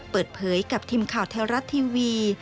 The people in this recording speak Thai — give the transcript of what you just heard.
เปิดเผยกับทีมข่าวแท้รัฐทีวี